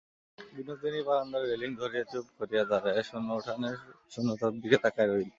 বিনোদিনী বারান্দার রেলিং ধরিয়া চুপ করিয়া দাঁড়াইয়া শূন্য উঠানের শূন্যতার দিকে তাকাইয়া রহিল।